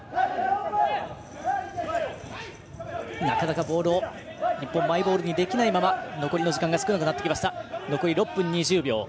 なかなか日本マイボールにできないまま時間が少なくなってきました。